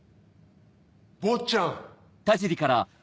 坊ちゃん。